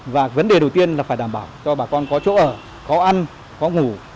và vấn đề đầu tiên là phải đảm bảo cho bà con có chỗ ở có ăn có ngủ